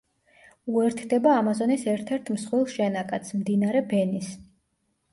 უერთდება ამაზონის ერთ-ერთ მსხვილ შენაკადს, მდინარე ბენის.